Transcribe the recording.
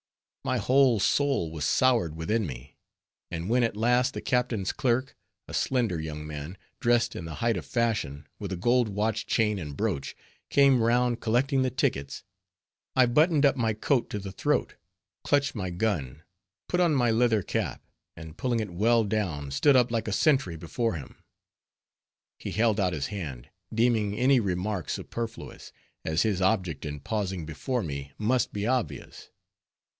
My whole soul was soured within me, and when at last the captain's clerk, a slender young man, dressed in the height of fashion, with a gold watch chain and broach, came round collecting the tickets, I buttoned up my coat to the throat, clutched my gun, put on my leather cap, and pulling it well down, stood up like a sentry before him. He held out his hand, deeming any remark superfluous, as his object in pausing before me must be obvious.